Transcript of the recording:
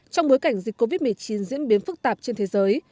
trong bối cảnh dịch covid một mươi chín diễn biến phức tạp trên thế giới